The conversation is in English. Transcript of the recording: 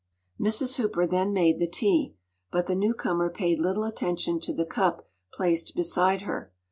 Mrs. Hooper then made the tea. But the newcomer paid little attention to the cup placed beside her.